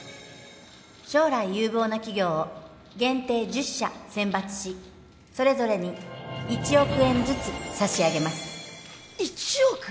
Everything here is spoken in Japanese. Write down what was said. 将来有望な企業を限定１０社選抜しそれぞれに１億円ずつ差し上げます１億！？